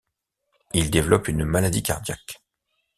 Il développe une maladie cardiaque.